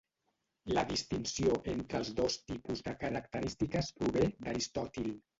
La distinció entre els dos tipus de característiques prové d'Aristòtil.